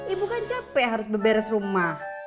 ibu kan capek harus berberes rumah